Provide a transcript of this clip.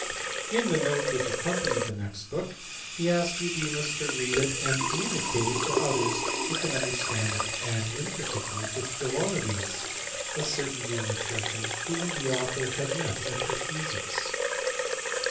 In the note which accompanied the ext book, he asks Eudemus to read it and communicate it to thers who can understand it, and in particular to Philonides certain geometrician whom the author had met at Ephesus.